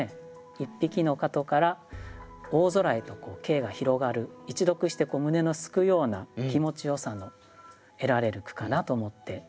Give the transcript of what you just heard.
一匹の蝌蚪から大空へと景が広がる一読して胸のすくような気持ちよさの得られる句かなと思って注目しました。